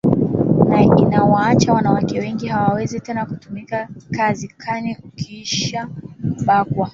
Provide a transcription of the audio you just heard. na inawacha wanawake wengi hawawezi tena kutumika kazi kwani ukisha kubakwa